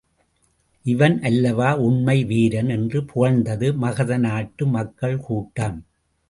இவன் அல்லவா உண்மை வீரன்? என்று புகழ்ந்தது மகத நாட்டு மக்கள் கூட்டம்.